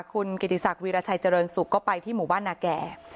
คุณกิสรักวีระชัยเจริญศุกร์ไปที่หมู่บ้านน้าแก่